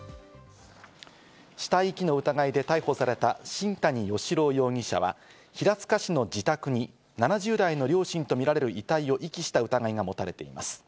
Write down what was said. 死体遺棄の疑いで逮捕された新谷嘉朗容疑者は、平塚市の自宅に７０代の両親とみられる遺体を遺棄した疑いがもたれています。